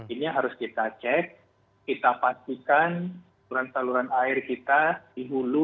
ini harus kita cek kita pastikan saluran saluran air kita di hulu